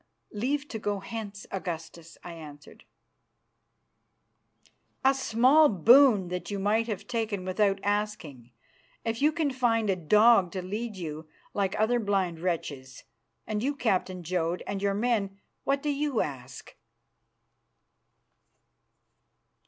"Leave to go hence, Augustus," I answered. "A small boon that you might have taken without asking, if you can find a dog to lead you, like other blind wretches. And you, Captain Jodd, and your men, what do you ask?"